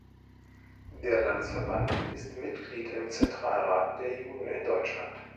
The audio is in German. Der Landesverband ist Mitglied im Zentralrat der Juden in Deutschland.